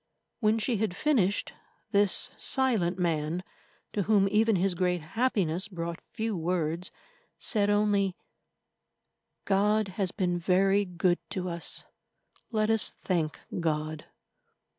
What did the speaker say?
When she had finished, this silent man, to whom even his great happiness brought few words, said only: "God has been very good to us. Let us thank God."